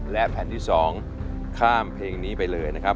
และแผ่นที่๒ข้ามเพลงนี้ไปเลยนะครับ